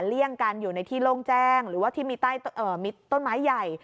เลี่ยงกันอยู่ในที่โล่งแจ้งหรือว่าที่มีต้นไม้ใหญ่